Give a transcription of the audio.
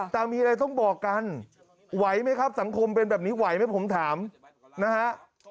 แต่มีอะไรต้องบอกกันไหวไหมครับสังคมเป็นแบบนี้ไหวไหมผมถามนะฮะ